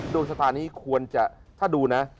ดูสตาร์ทนี้ควรจะถ้าดูนะ